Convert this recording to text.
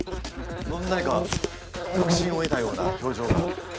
何か確信を得たような表情が。